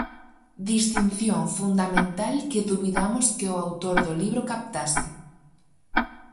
Distinción fundamental que dubidamos que o autor do libro captase.